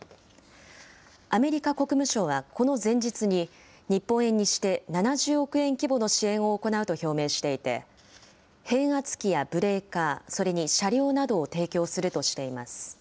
アメリカ国務省はこの前日に、日本円にして７０億円規模の支援を行うと表明していて、変圧器やブレーカー、それに車両などを提供するとしています。